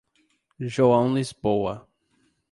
João Lisboa